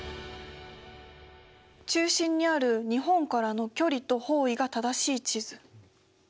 中心にある日本からの距離と方位が正しい地図。